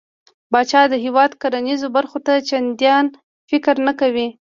پاچا د هيواد کرنېزو برخو ته چنديان فکر نه کوي .